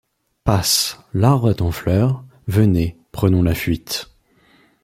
Passent, l'arbre est en fleur, venez, prenons la fuite